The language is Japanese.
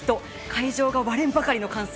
会場が割れんばかりの歓声。